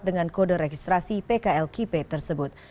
dengan kode registrasi pklkp tersebut